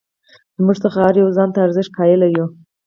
زموږ څخه هر یو ځان ته ارزښت قایل یو.